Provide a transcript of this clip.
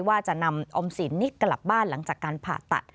ว่าจะนำออมสินนี่กลับบ้านหลังจากการผ่าตัด